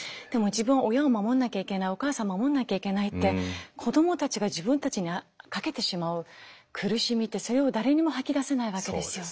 自分は親を守んなきゃいけないお母さんを守んなきゃいけないって子どもたちが自分たちにかけてしまう苦しみってそれを誰にも吐き出せないわけですよ。